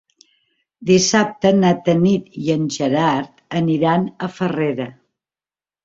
Dissabte na Tanit i en Gerard aniran a Farrera.